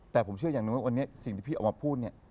แต่ผมเชื่ออย่างหนึ่งว่าวันนี้สิ่งที่พี่ออกมาพูดเนี่ย